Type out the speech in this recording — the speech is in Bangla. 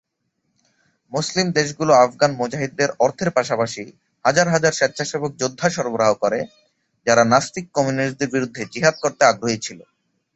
মুসলিম দেশগুলো আফগান মুজাহিদদের অর্থের পাশাপাশি হাজার হাজার স্বেচ্ছাসেবক যোদ্ধা সরবরাহ করে, যারা "নাস্তিক" কমিউনিস্টদের বিরুদ্ধে "জিহাদ" করতে আগ্রহী ছিল।